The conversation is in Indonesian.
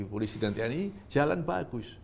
polisi dan tni jalan bagus